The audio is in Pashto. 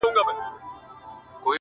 چي لیدلی یې مُلا وو په اوبو کي؛